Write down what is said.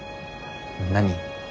何？